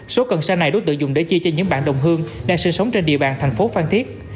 số cần sa này đối tượng dùng để chia cho những bạn đồng hương đang sinh sống trên địa bàn thành phố phan thiết